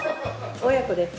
親子です。